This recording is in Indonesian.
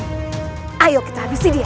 saya sudah v posterior seseorang